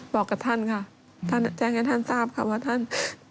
บอกกับท่านค่ะท่านแจ้งให้ท่านทราบค่ะว่าท่าน